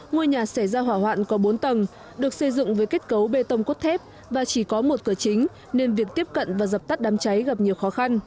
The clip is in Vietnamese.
ngôi nhà xảy ra hỏa hoạn có bốn tầng được xây dựng với kết cấu bê tông cốt thép và chỉ có một cửa chính nên việc tiếp cận và dập tắt đám cháy gặp nhiều khó khăn